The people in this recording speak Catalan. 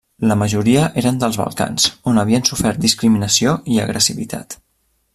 La majoria eren dels Balcans, on havien sofert discriminació i agressivitat.